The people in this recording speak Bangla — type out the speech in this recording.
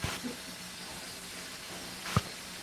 পর পর দুদিন যাত্রা শুনিতে যায়।